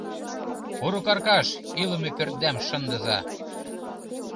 Курык аркаш илыме пӧртдам шындыза.